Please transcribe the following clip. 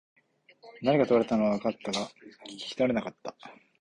何か問われたのは分かったが、聞き取れなかった。